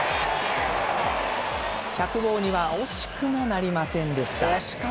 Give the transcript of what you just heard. １００号には、惜しくもなりませんでした。